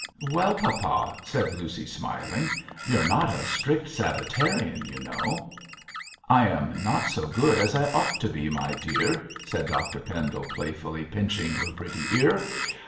'Well, papa!' said Lucy, smiling, 'you are not a strict Sabbatarian, you know.' 'I am not so good as I ought to be, my dear,' said Dr Pendle, playfully pinching her pretty ear.